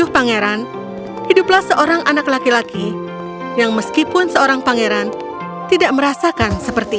pangeran yang dimanjakan